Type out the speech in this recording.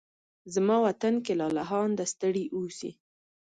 زما وطن کې لالهانده ستړي اوسې